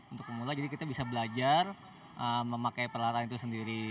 untuk pemula jadi kita bisa belajar memakai peralatan itu sendiri